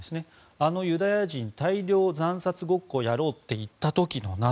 「あのユダヤ人大量虐殺ごっこやろうって言った時のな」と。